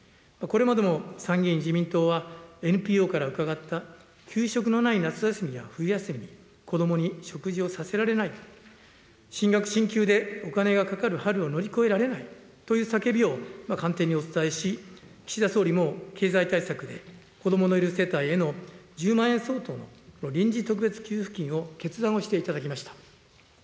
これまでも参議院自民党は、ＮＰＯから伺った給食のない夏休みや冬休みに子どもに食事をさせられない、進学・進級でお金がかかる春を乗り越えられないという叫びを官邸にお伝えし、岸田総理も経済対策で子どものいる世帯への１０万円相当の臨時特別給付金を決断をしていただきました。